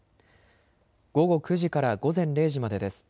午後９時から午前０時までです。